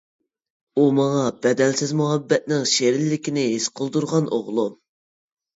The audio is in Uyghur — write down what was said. ئۇ-ماڭا بەدەلسىز مۇھەببەتنىڭ شېرىنلىكىنى ھېس قىلدۇرغان ئوغلۇم!